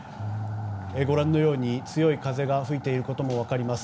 ご覧のように強い風が吹いていることも分かります。